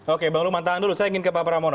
oke bang lukman tahan dulu saya ingin ke pak pramono